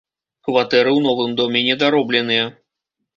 Кватэры ў новым доме недаробленыя.